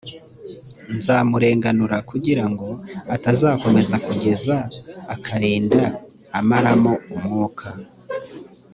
nzamurenganura kugira ngo atazakomeza kuza akarinda amaramo umwuka